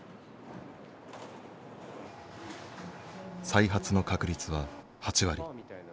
再発の確率は８割。